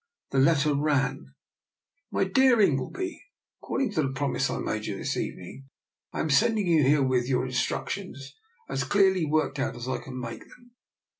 The letter ran: "My dear Ingleby: According to the promise I made you this evening, I am send ing you herewith your instructions, as clearly worked out as I can make them.